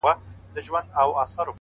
د سترگو سرو لمبو ته دا پتنگ در اچوم،